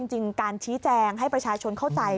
จริงการชี้แจงให้ประชาชนเข้าใจ